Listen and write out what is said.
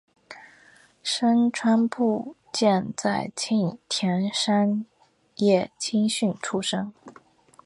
牲川步见在磐田山叶青训出身。